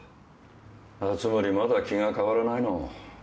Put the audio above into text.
熱護まだ気が変わらないの。